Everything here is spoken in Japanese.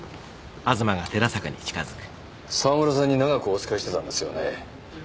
沢村さんに長くお仕えしてたんですよね